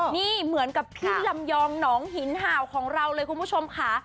นี่เหมือนกับพี่ลำยองหนองหินห่าวของเราเลยคุณผู้ชมค่ะ